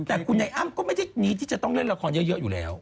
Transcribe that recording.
แต่คุณไอ้อ้ำก็ไม่ได้นี้ที่จะต้องเล่นละครเยอะอยู่แล้ว